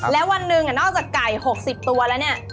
แล้ววันหนึ่งนอกจากแก่๖๐ตัวนี้